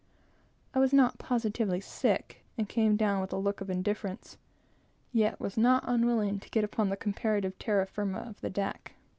I was not positively sick, and came down with a look of indifference, yet was not unwilling to get upon the comparative terra firma of the deck.